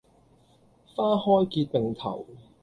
花開結並頭